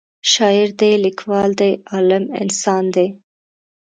شاعر دی لیکوال دی عالم انسان دی